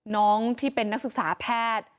น้องที่เป็นนักศึกษาแพทย์